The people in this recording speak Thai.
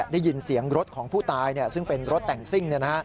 ได้ยินเสียงรถของผู้ตายซึ่งเป็นรถแต่งซิ่ง